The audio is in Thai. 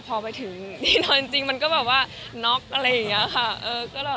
แต่พอไปถึงจะนอนจริงมันก็น็อคอะไรอย่างนี้